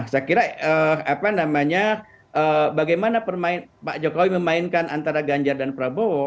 saya kira bagaimana pak jokowi memainkan antara ganjar dan prabowo